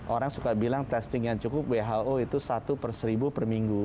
orang suka bilang testing yang cukup who itu satu per seribu per minggu